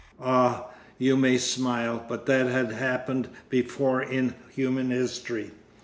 Ah, you may smile, but that had happened before in human history.